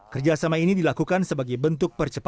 kerjasama ini dilakukan sebagai bentuk pendidikan yang berbeda